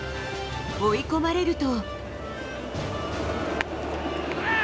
追い込まれると。